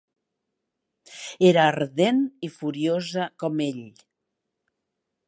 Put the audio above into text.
Era ardent i furiosa com ell.